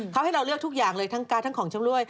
เขาให้เราเลือกทุกอย่างเลยทั้งการ์ทั้งของชำรวย